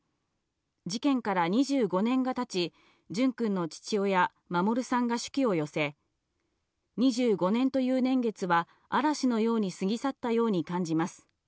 事件から２５年がたち、淳君の父親、守さんが手記を寄せ、２５年という年月は嵐のように過ぎ去ったように感じます。